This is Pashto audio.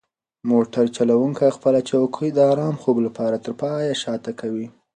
موټر چلونکی خپله چوکۍ د ارام خوب لپاره تر پایه شاته کوي.